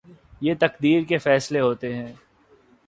یہ تقدیر کے فیصلے ہوتے ہیں۔